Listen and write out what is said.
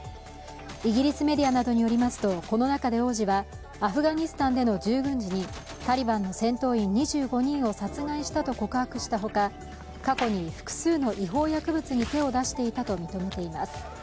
イギリスメディアなどによりますと、この中で王子はアフガニスタンでの従軍時にタリバンの戦闘員２５人を殺害したと告白したほか過去に複数の違法薬物に手を出していたと認めています。